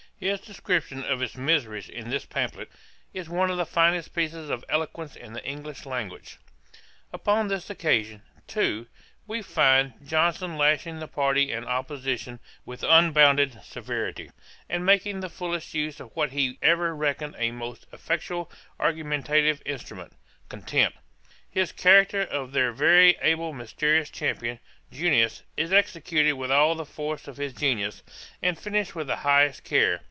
His description of its miseries in this pamphlet, is one of the finest pieces of eloquence in the English language. Upon this occasion, too, we find Johnson lashing the party in opposition with unbounded severity, and making the fullest use of what he ever reckoned a most effectual argumentative instrument, contempt. His character of their very able mysterious champion, JUNIUS, is executed with all the force of his genius, and finished with the highest care.